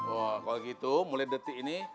wah kalau gitu mulai detik ini